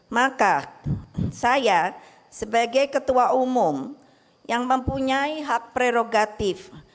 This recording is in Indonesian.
maka saya sebagai ketua umum yang mempunyai hak prerogatif